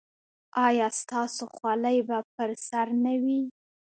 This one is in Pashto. ایا ستاسو خولۍ به پر سر نه وي؟